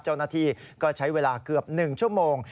เจ้าหน้าที่ก็ใช้เวลาเกือบ๑ชั่วโมง